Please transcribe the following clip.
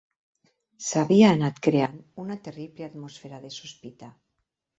S'havia anat creant una terrible atmosfera de sospita